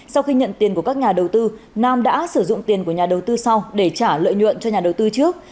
sau khi nhận tiền của các nhà đầu tư nam đã sử dụng tiền của nhà đầu tư sau để trả lợi nhuận cho nhà đầu tư trước